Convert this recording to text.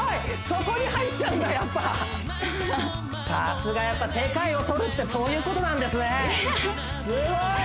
そこに入っちゃうんだやっぱさすがやっぱり世界を取るってそういうことなんですねすごい！